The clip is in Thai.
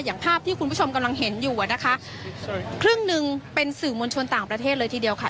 ภาพที่คุณผู้ชมกำลังเห็นอยู่อ่ะนะคะส่วนครึ่งหนึ่งเป็นสื่อมวลชนต่างประเทศเลยทีเดียวค่ะ